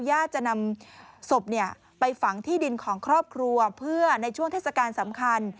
ญาติจะนำศพไปฝังที่ดินของครอบครัวเพื่อในช่วงเทศกาลสำคัญ